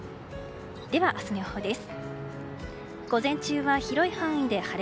では明日の予報です。